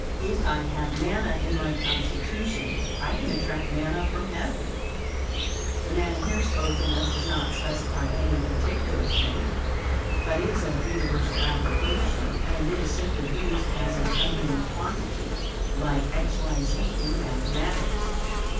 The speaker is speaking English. "If I have manna in my constitution, I can attract manna from Heaven." The manna here spoken of does not specify any particular thing, but is of universal application, and is simply used as an unknown quantity, like x, y, z in mathematics.